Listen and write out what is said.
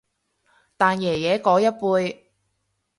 但爺爺嗰一輩